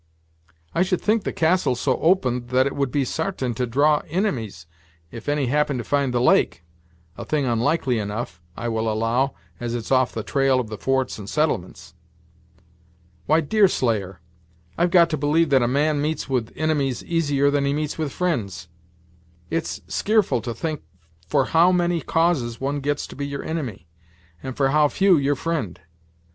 "I should think the castle so open, that it would be sartain to draw inimies, if any happened to find the lake; a thing onlikely enough, I will allow, as it's off the trail of the forts and settlements." "Why, Deerslayer, I've got to believe that a man meets with inimies easier than he meets with fri'nds. It's skearful to think for how many causes one gets to be your inimy, and for how few your fri'nd.